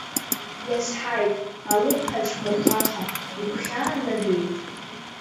Иазҳаит, алымҳацәқәа рхаха, игәхьаанагеи?